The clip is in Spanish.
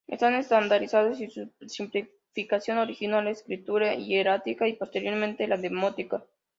Están estandarizados, y su simplificación originó la escritura hierática y posteriormente la demótica.